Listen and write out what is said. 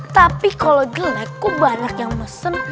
tapi kalau jelek kok banyak yang mesen